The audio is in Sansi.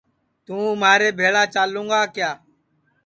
توں مھارے بھیݪا چالوں گا کیا